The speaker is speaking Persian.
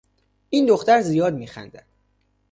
این دختر زیاد می خندد